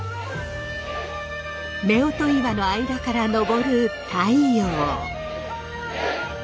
夫婦岩の間から昇る太陽！